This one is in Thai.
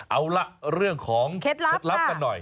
เอาล่ะเรื่องของเคล็ดลับกันหน่อย